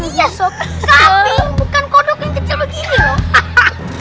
iya sobri kambing bukan kodok yang kecil begini loh